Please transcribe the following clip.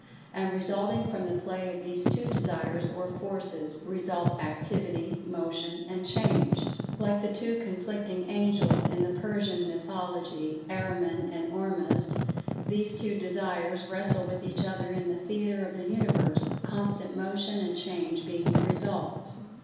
And, resulting from the play of these two Desires, or Forces, result Activity, Motion and Change. Like the two conflicting angels in the Persian mythology—Ahriman and Ormuzd—these two Desires wrestle with each other in the theatre of the Universe—constant Motion and Change being the results.